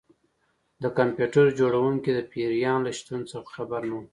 د کمپیوټر جوړونکی د پیریان له شتون څخه خبر نه و